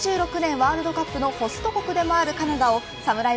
ワールドカップのホスト国でもあるカナダをサムライ